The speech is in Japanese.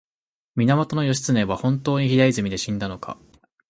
源義経は本当に平泉で死んだのか